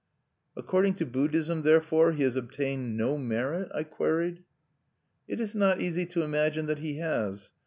"According to Buddhism, therefore, he has obtained no merit?" I queried. "It is not easy to imagine that he has.